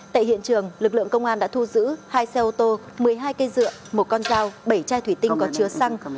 tại hiện trường lực lượng công an đã thu giữ hai xe ô tô một mươi hai cây dựa một con dao bảy chai thủy tinh có chứa xăng